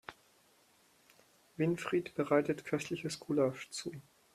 Winfried bereitet köstliches Gulasch zu.